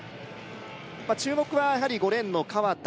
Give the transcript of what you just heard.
注目はやはり５レーンの川田